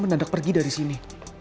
tante nawang pergi dari sini